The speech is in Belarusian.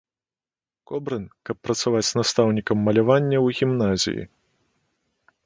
Кобрын, каб працаваць настаўнікам малявання ў гімназіі.